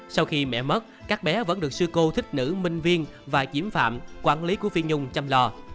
sau khi mẹ mất các bé vẫn được sư cô thích nữ minh viên và chiếm phạm quản lý của phi nhung chăm lo